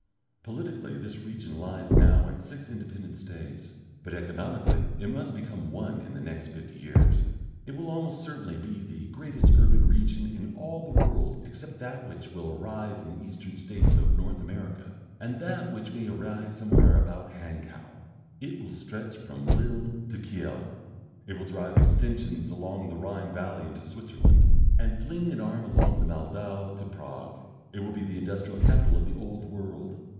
Politically this region lies now in six independent States, but economically it must become one in the next fifty years. It will almost certainly be the greatest urban region in all the world except that which will arise in the eastern States of North America, and that which may arise somewhere about Hankow. It will stretch from Lille to Kiel, it will drive extensions along the Rhine valley into Switzerland, and fling an arm along the Moldau to Prague, it will be the industrial capital of the old world.